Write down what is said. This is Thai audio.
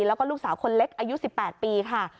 แล้วก็ลูกสาวคนเล็กอายุ๑๘ปีค่ะ